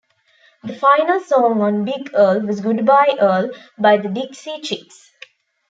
The final song on "Big Earl" was "Goodbye Earl" by the Dixie Chicks.